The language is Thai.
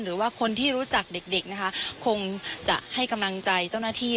หรือว่าคนที่รู้จักเด็กนะคะคงจะให้กำลังใจเจ้าหน้าที่